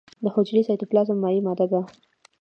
د حجرې سایتوپلازم مایع ماده ده